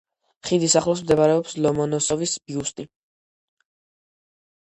ხიდის ახლოს მდებარეობს ლომონოსოვის ბიუსტი.